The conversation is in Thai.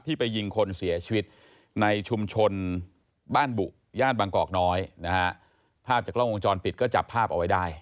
ที่ไปยิงคนเสียชีนชุมชนบ้านบุย่านบางกอกนอยภาพจากรองวงจรปิดก็จับภาพเอาไว้ได้